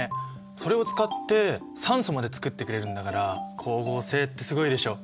それを使って酸素まで作ってくれるんだから光合成ってすごいでしょ。